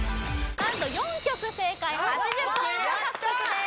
何と４曲正解８０ポイント獲得です